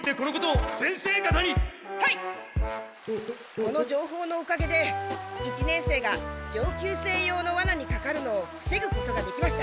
この情報のおかげで一年生が上級生用のワナにかかるのをふせぐことができました。